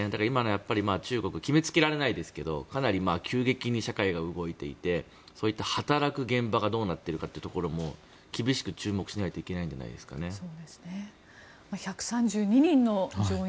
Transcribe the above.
今の中国決めつけられないですけどかなり急激に社会が動いていてそういった働く現場がどうなっているかというところも厳しく注目しなきゃいけないんじゃないですかね。